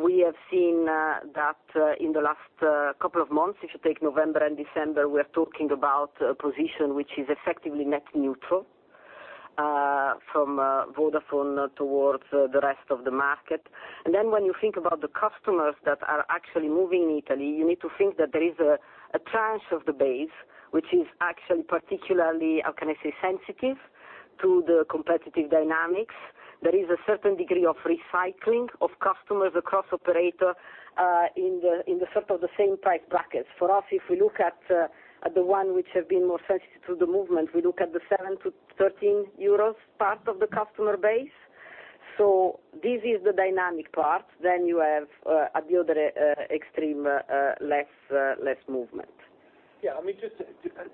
we have seen that in the last couple of months, if you take November and December, we're talking about a position which is effectively net neutral from Vodafone towards the rest of the market. Then when you think about the customers that are actually moving in Italy, you need to think that there is a tranche of the base, which is actually particularly, how can I say, sensitive to the competitive dynamics. There is a certain degree of recycling of customers across operators in the sort of the same price brackets. For us, if we look at the ones which have been more sensitive to the movement, we look at the 7-13 euros part of the customer base. This is the dynamic part. You have at the other extreme, less movement.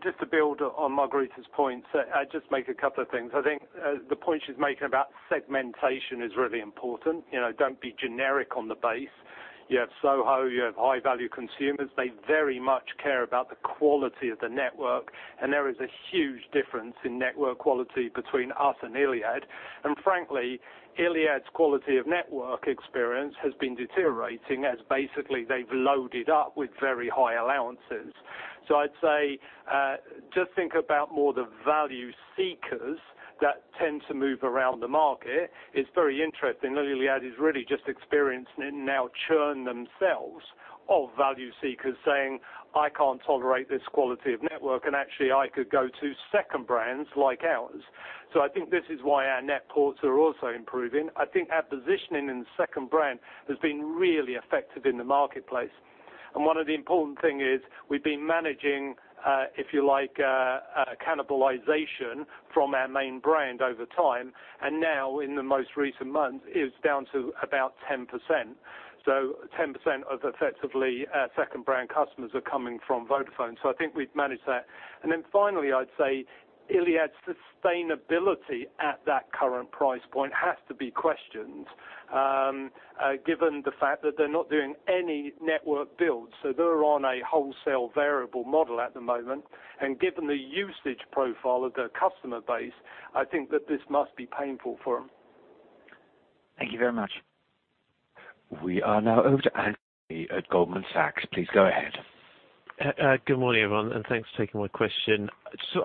Just to build on Margherita's point, I just make a couple of things. I think the point she's making about segmentation is really important. Don't be generic on the base. You have SOHO, you have high-value consumers. They very much care about the quality of the network, and there is a huge difference in network quality between us and Iliad. Frankly, Iliad's quality of network experience has been deteriorating as basically they've loaded up with very high allowances. I'd say, just think about more the value seekers that tend to move around the market. It's very interesting that Iliad is really just experiencing it now churn themselves of value seekers saying, "I can't tolerate this quality of network, and actually, I could go to second brands like ours." I think this is why our net ports are also improving. I think our positioning in the second brand has been really effective in the marketplace. One of the important things is we've been managing, if you like, a cannibalization from our main brand over time, and now in the most recent months, it's down to about 10%. 10% of effectively second brand customers are coming from Vodafone. I think we've managed that. Finally, I'd say Iliad's sustainability at that current price point has to be questioned, given the fact that they're not doing any network build. They're on a wholesale variable model at the moment. Given the usage profile of their customer base, I think that this must be painful for them. Thank you very much. We are now over to Andy at Goldman Sachs. Please go ahead. Good morning, everyone, and thanks for taking my question.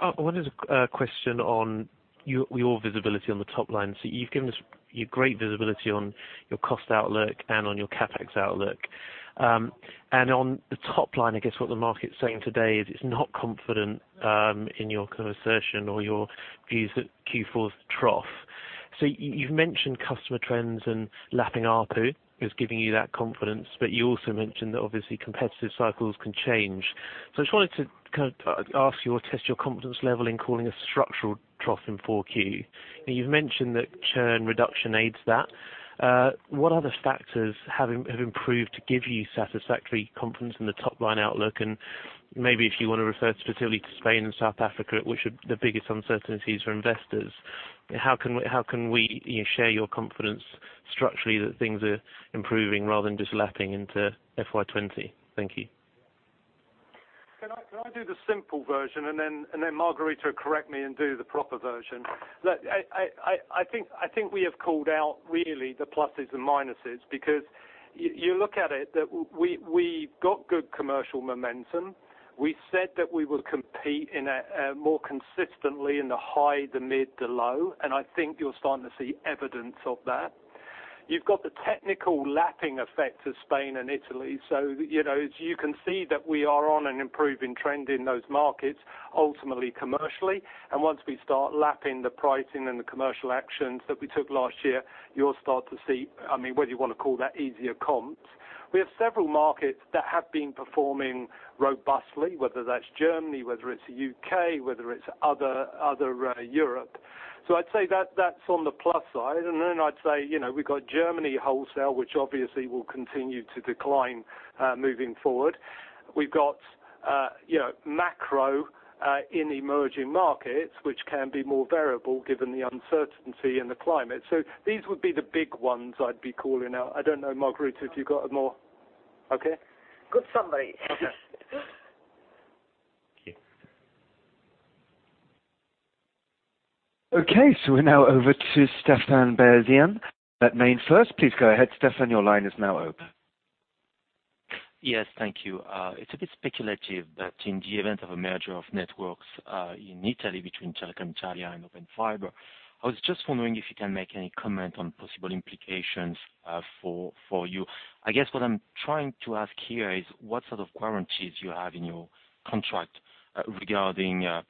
I wanted to question on your visibility on the top line. You've given us your great visibility on your cost outlook and on your CapEx outlook. On the top line, I guess what the market's saying today is it's not confident in your assertion or your views that Q4's trough. You've mentioned customer trends and lapping ARPU is giving you that confidence, but you also mentioned that obviously competitive cycles can change. I just wanted to ask you or test your confidence level in calling a structural trough in 4Q. Now you've mentioned that churn reduction aids that. What other factors have improved to give you satisfactory confidence in the top-line outlook? Maybe if you want to refer specifically to Spain and South Africa, which are the biggest uncertainties for investors. How can we share your confidence structurally that things are improving rather than just lapping into FY 2020? Thank you. Can I do the simple version, then Margherita correct me and do the proper version. Look, I think we have called out really the pluses and minuses because you look at it that we've got good commercial momentum. We said that we will compete more consistently in the high, the mid, the low, I think you're starting to see evidence of that. You've got the technical lapping effect of Spain and Italy. As you can see that we are on an improving trend in those markets, ultimately commercially, once we start lapping the pricing and the commercial actions that we took last year, you'll start to see, whether you want to call that easier comps. We have several markets that have been performing robustly, whether that's Germany, whether it's the U.K., whether it's other Europe. I'd say that's on the plus side. I'd say, we've got Germany wholesale, which obviously will continue to decline moving forward. We've got macro in emerging markets, which can be more variable given the uncertainty in the climate. These would be the big ones I'd be calling out. I don't know, Margherita, if you've got a more. Okay. Good summary. Thank you. We're now over to Stéphane Beyazian at MainFirst. Please go ahead, Stéphane. Your line is now open. Yes. Thank you. It's a bit speculative, but in the event of a merger of networks in Italy between Telecom Italia and Open Fiber, I was just wondering if you can make any comment on possible implications for you. I guess what I'm trying to ask here is what sort of guarantees you have in your contract regarding the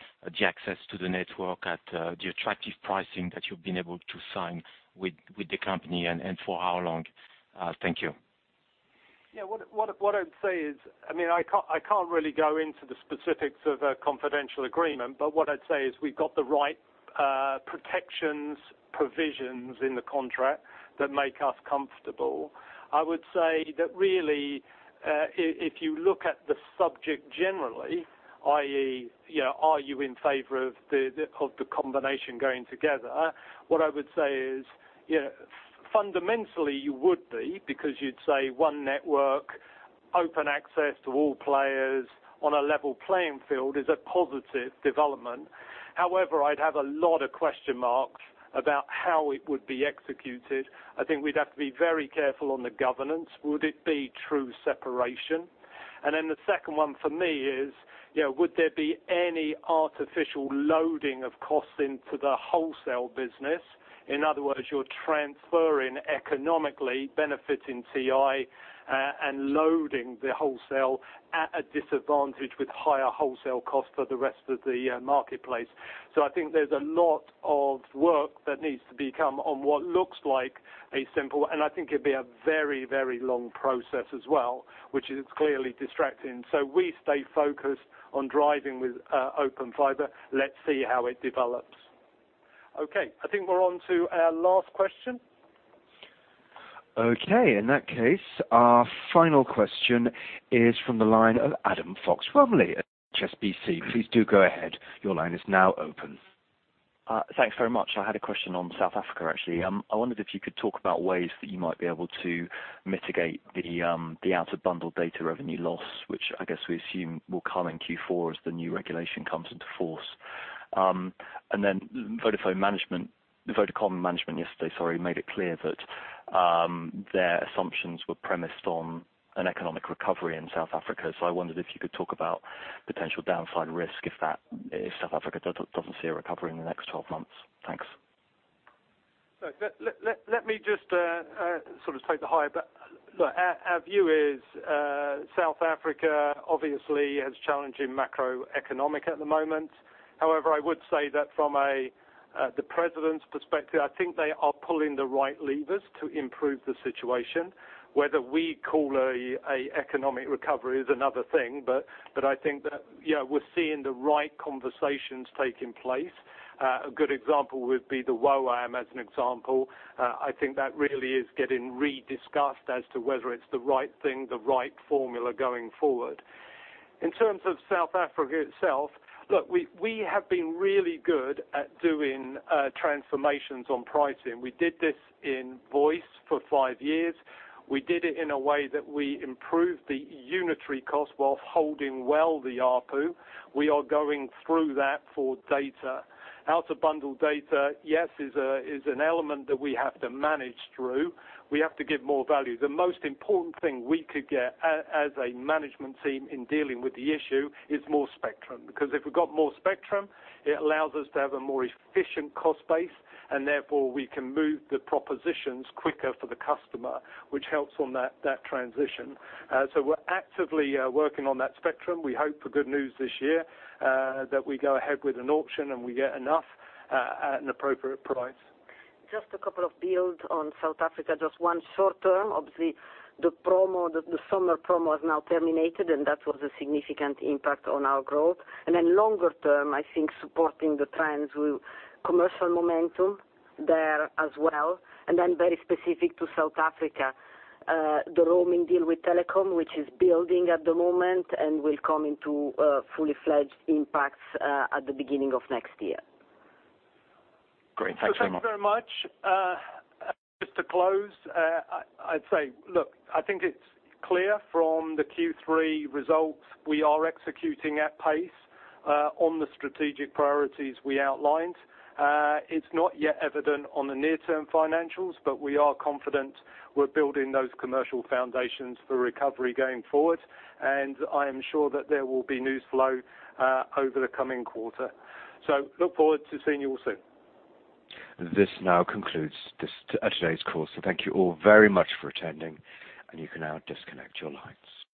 access to the network at the attractive pricing that you've been able to sign with the company and for how long? Thank you. Yeah. I can't really go into the specifics of a confidential agreement. What I'd say is we've got the right protections, provisions in the contract that make us comfortable. I would say that really, if you look at the subject generally, i.e., are you in favor of the combination going together? What I would say is, fundamentally you would be, because you'd say one network, open access to all players on a level playing field is a positive development. I'd have a lot of question marks about how it would be executed. I think we'd have to be very careful on the governance. Would it be true separation? And then the second one for me is, would there be any artificial loading of costs into the wholesale business? In other words, you're transferring economically, benefiting TI, and loading the wholesale at a disadvantage with higher wholesale costs for the rest of the marketplace. I think there's a lot of work that needs to be done on what looks like a simple. I think it'd be a very, very long process as well, which is clearly distracting. We stay focused on driving with Open Fiber. Let's see how it develops. Okay, I think we're on to our last question. Okay. In that case, our final question is from the line of Adam Fox-Rumley at HSBC. Please do go ahead. Your line is now open. Thanks very much. I had a question on South Africa, actually. I wondered if you could talk about ways that you might be able to mitigate the out-of-bundle data revenue loss, which I guess we assume will come in Q4 as the new regulation comes into force. The Vodacom management yesterday made it clear that their assumptions were premised on an economic recovery in South Africa. I wondered if you could talk about potential downside risk if South Africa doesn't see a recovery in the next 12 months. Thanks. Look, let me just sort of take the high. Look, our view is, South Africa obviously has challenging macroeconomic at the moment. However, I would say that from the president's perspective, I think they are pulling the right levers to improve the situation. Whether we call it an economic recovery is another thing, but I think that we're seeing the right conversations taking place. A good example would be the WOAN as an example. I think that really is getting rediscussed as to whether it's the right thing, the right formula going forward. In terms of South Africa itself, look, we have been really good at doing transformations on pricing. We did this in voice for five years. We did it in a way that we improved the unitary cost whilst holding well the ARPU. We are going through that for data. Out-of-bundle data, yes, is an element that we have to manage through. We have to give more value. The most important thing we could get as a management team in dealing with the issue is more spectrum. If we've got more spectrum, it allows us to have a more efficient cost base, and therefore, we can move the propositions quicker for the customer, which helps on that transition. We're actively working on that spectrum. We hope for good news this year, that we go ahead with an auction, and we get enough at an appropriate price. Just a couple of builds on South Africa. Just one short term. Obviously, the summer promo has now terminated, and that was a significant impact on our growth. Longer term, I think supporting the trends with commercial momentum there as well. Very specific to South Africa, the roaming deal with Telkom, which is building at the moment and will come into fully fledged impacts at the beginning of next year. Great. Thanks very much. Thank you very much. Just to close, I'd say, look, I think it's clear from the Q3 results, we are executing at pace on the strategic priorities we outlined. It's not yet evident on the near-term financials, but we are confident we're building those commercial foundations for recovery going forward. I am sure that there will be news flow over the coming quarter. Look forward to seeing you all soon. This now concludes today's call. Thank you all very much for attending, and you can now disconnect your lines.